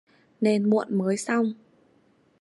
Nên muộn mới xong